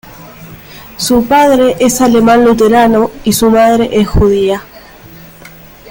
Su padre es alemán luterano y su madre es judía.